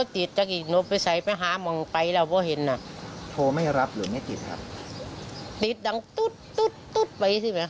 ถ้าบ้านก็อย่างไหนพ